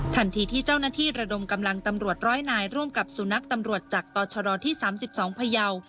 ทันทีที่เจ้าหน้าที่ระดมกำลังตำรวจร้อยนายร่วมกับสุนัขตำรวจจากต่อชดที่๓๒พยาว